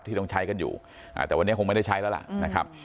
ต้องใช้กันอยู่แต่วันนี้คงไม่ได้ใช้แล้วล่ะนะครับ